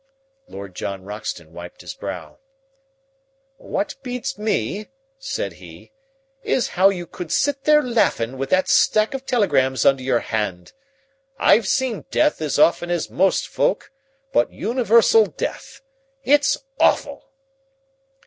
Lord John Roxton wiped his brow. "What beats me," said he, "is how you could sit there laughin' with that stack of telegrams under your hand. I've seen death as often as most folk, but universal death it's awful!"